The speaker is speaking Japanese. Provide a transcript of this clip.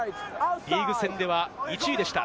リーグ戦では１位でした。